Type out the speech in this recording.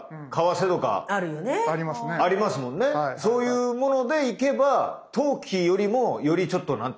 そういうものでいけば投機よりもよりちょっと何て言うんですかね